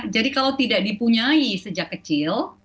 jadi kalau tidak dipunyai sejak kecil